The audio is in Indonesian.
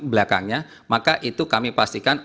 belakangnya maka itu kami pastikan